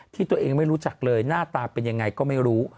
ที่ตัวเองไม่รู้จักเลยหน้าตาเป็นยังไงก็ไม่รู้